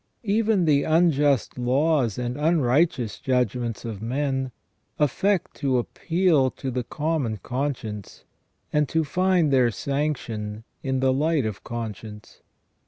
Even the unjust laws and unrighteous judgments of men affect to appeal to the common conscience, and to find their sanction in the light of conscience.